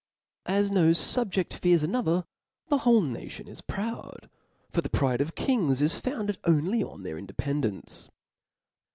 As no fubjeft fears another, the whole nation is proud ; for the pride of kings is founded only on their independence.